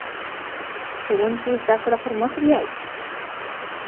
ښوونکی زده کړه پر مخ بیايي.